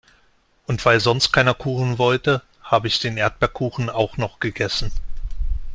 Und weil sonst keiner Kuchen wollte, habe ich den Erdbeerkuchen auch noch gegessen.